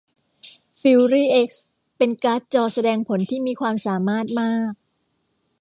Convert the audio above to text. ฟิวรี่เอ็กซ์เป็นการ์ดจอแสดงผลที่มีความสามารถมาก